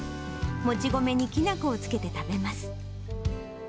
もち米にきな粉をつけて食べます。